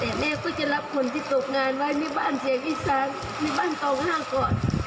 แต่แม่ก็จะรับคนที่ตกงานไว้ในบ้านเพลงอีสานที่บ้านเตาอ้างก่อน